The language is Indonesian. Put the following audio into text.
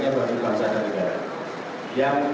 untuk kita terus berkembang